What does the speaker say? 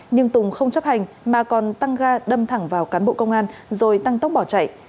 nhưng tùng không chấp hành mà còn tăng ga đâm thẳng vào cán bộ công an rồi tăng tốc bỏ chạy